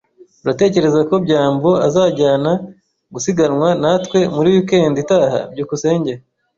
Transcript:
Uratekereza ko byambo azajyana gusiganwa natwe muri weekend itaha? byukusenge